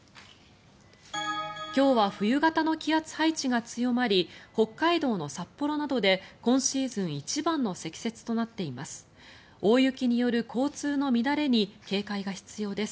今日は冬型の気圧配置が強まり北海道の札幌などで今シーズン一番の積雪となっています。